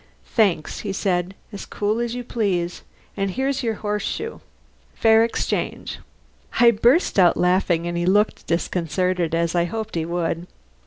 "Thanks," he said, as cool as you please. "And here's your horse shoe. Fair exchange!" I burst out laughing, and he looked disconcerted, as I hoped he would.